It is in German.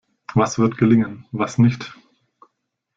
Was wird gelingen, was nicht?